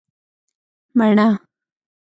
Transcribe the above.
🍏 مڼه